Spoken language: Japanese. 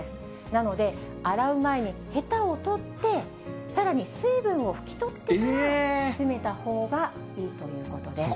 なので、洗う前にへたを取って、さらに水分を拭き取ってから詰めたほうがいいということです。